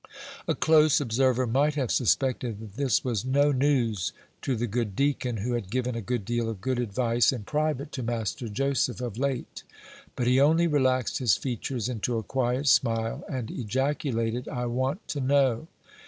A close observer might have suspected that this was no news to the good deacon, who had given a great deal of good advice, in private, to Master Joseph of late; but he only relaxed his features into a quiet smile, and ejaculated, "I want to know!"